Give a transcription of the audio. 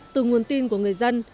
từ nguồn tin của người dân